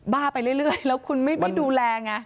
้าไปเรื่อยแล้วคุณไม่ดูแลไง